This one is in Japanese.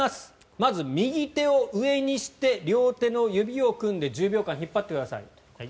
まず右手を上にして両手の指を組んで１０秒間引っ張ってください。